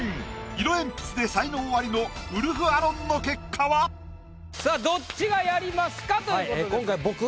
色鉛筆で才能アリのウルフアロンの結果は⁉さあどっちがやりますか？ということです。